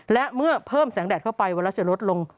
และเมื่อเพิ่มแสงแดดเข้าไปไวรัสจะลดลง